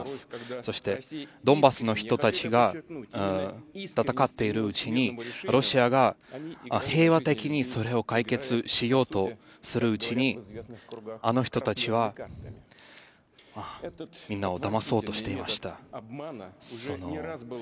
そして、ドンバスの人たちが戦っているうちにロシアが平和的にそれを解決しようとするうちに、あの人たちはみんなをだまそうとしていました。